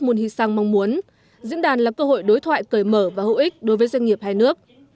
monee sang mong muốn diễn đàn là cơ hội đối thoại cởi mở và hữu ích đối với doanh nghiệp hai nước